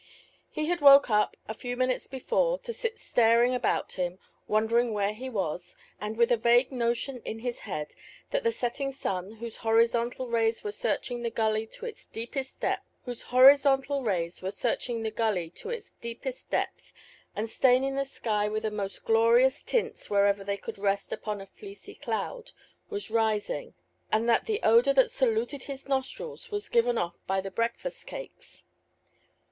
He had woke up a few minutes before, to sit staring about him, wondering where he was, and with a vague notion in his head that the setting sun, whose horizontal rays were searching the gully to its deepest depth and staining the sky with the most glorious tints wherever they could rest upon a fleecy cloud, was rising, and that the odour that saluted his nostrils was given off by the breakfast cakes.